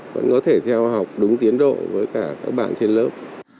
vẫn có thể theo học đúng tiến độ với cả các bạn trên lớp